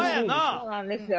そうなんですよ。